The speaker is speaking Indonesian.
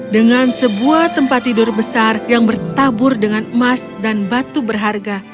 dengan sebuah tempat tidur besar yang bertabur dengan emas dan batu berharga